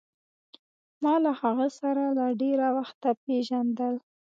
ما له هغه سره له ډېره وخته پېژندل.